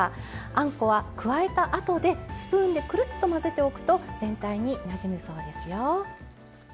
あんこを加えたあとでスプーンでくるっと混ぜておくと全体になじみそうですよ。